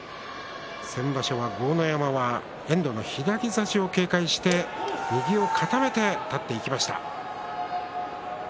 先場所は豪ノ山が遠藤の左差しを警戒して右を固めて立っていきました。